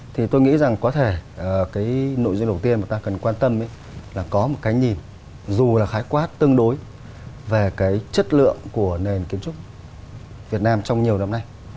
thì tôi nghĩ rằng có thể cái nội dung đầu tiên mà ta cần quan tâm là có một cái nhìn dù là khái quát tương đối về cái chất lượng của nền kiến trúc việt nam trong nhiều năm nay